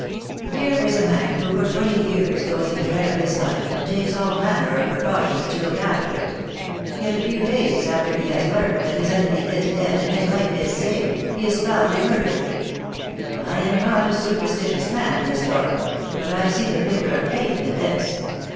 Here is a man who for twenty years goes in dread of his life, and takes all manner of precautions to look after it. Yet, a few days after he has learnt that his enemy is dead and his life is safe, he is foully murdered. I am not a superstitious man, Miss Dora, but I see the finger of Fate in this.